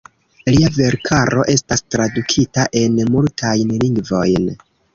Lia verkaro estas tradukita en multajn lingvojn.